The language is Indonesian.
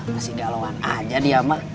masih galauan aja dia mah